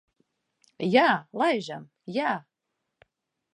Jā, laižam. Jā.